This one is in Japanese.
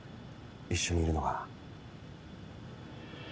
一緒にいるのが。